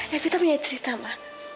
ya vita punya cerita ma